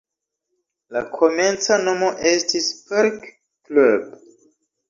La komenca nomo estis "Park Club".